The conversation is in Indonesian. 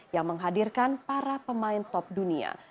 yang menghadirkan para pemain top dunia